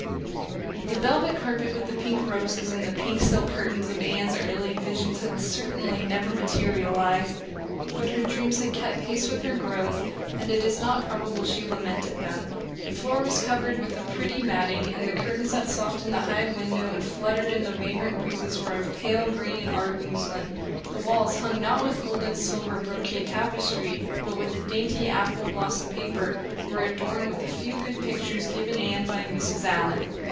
The velvet carpet with the pink roses and the pink silk curtains of Anne's early visions had certainly never materialized; but her dreams had kept pace with her growth, and it is not probable she lamented them. The floor was covered with a pretty matting, and the curtains that softened the high window and fluttered in the vagrant breezes were of pale green art muslin. The walls, hung not with gold and silver brocade tapestry, but with a dainty apple blossom paper, were adorned with a few good pictures given Anne by Mrs. Allan.